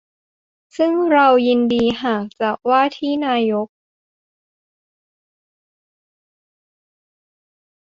ซึ่งเรายินดีหากจะว่าที่นายก